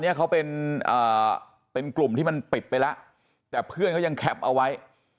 เนี่ยเขาเป็นกลุ่มที่มันปิดไปแล้วแต่เพื่อนเขายังแคปเอาไว้